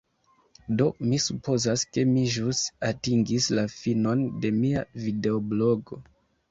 Do, mi supozas ke mi ĵus atingis la finon de mia videoblogo.